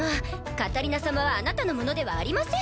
カタリナ様はあなたのものではありません。